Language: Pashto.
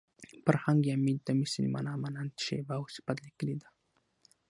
فرهنګ عمید د مثل مانا مانند شبیه او صفت لیکلې ده